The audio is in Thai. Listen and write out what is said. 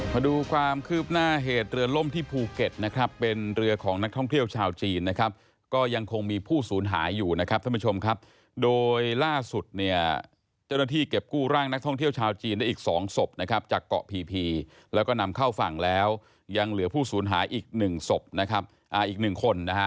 มาดูความคืบหน้าเหตุเรือล่มที่ภูเก็ตนะครับเป็นเรือของนักท่องเที่ยวชาวจีนนะครับก็ยังคงมีผู้สูญหายอยู่นะครับท่านผู้ชมครับโดยล่าสุดเนี่ยเจ้าหน้าที่เก็บกู้ร่างนักท่องเที่ยวชาวจีนได้อีกสองศพนะครับจากเกาะพีพีแล้วก็นำเข้าฝั่งแล้วยังเหลือผู้สูญหายอีกหนึ่งศพนะครับอีกหนึ่งคนนะฮะ